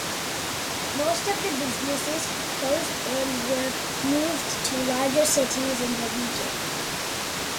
Most of the businesses closed and were moved to larger cities in the region.